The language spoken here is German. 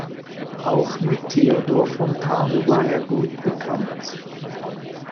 Auch mit Theodor Fontane war er gut bekannt.